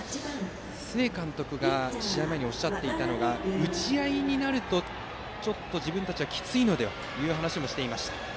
須江監督が試合前におっしゃっていたのが打ち合いになると自分たちはちょっときついのではという話もしていました。